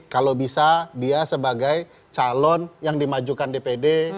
kalau bisa dia sebagai calon yang dimajukan dpd